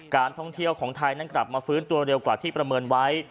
การท่องเที่ยวของไทยนั้นกลับมาฟื้นตัวเร็วกว่าที่ประเมินไว้